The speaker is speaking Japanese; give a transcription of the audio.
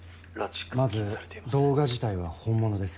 まず動画自体は本物です。